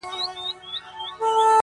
نن مي له زلمیو په دې خپلو غوږو واورېده!.